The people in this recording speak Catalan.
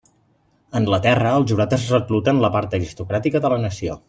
A Anglaterra el jurat es recluta en la part aristocràtica de la nació.